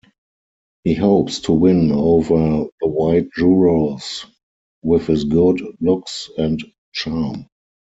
He hopes to win over the white jurors with his good looks and charm.